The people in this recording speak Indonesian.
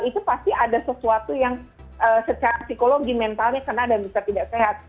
itu pasti ada sesuatu yang secara psikologi mentalnya kena dan bisa tidak sehat